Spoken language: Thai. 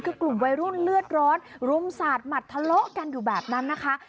คือกลุ่มวัยรุ่นเลือดร้อนรุมสาดหมัดทะเลาะกันอยู่แบบนั้นนะคะ